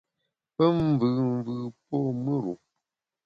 Pe mvùùmvù po mùr-u.